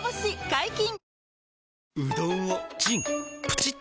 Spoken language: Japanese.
解禁‼